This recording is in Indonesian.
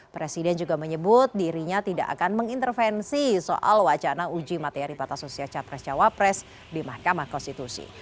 presiden juga menyebut dirinya tidak akan mengintervensi soal wacana uji materi batas usia capres cawapres di mahkamah konstitusi